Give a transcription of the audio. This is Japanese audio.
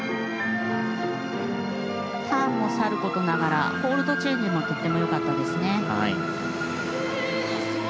ターンもさる事ながらホールドチェンジもとっても良かったですね。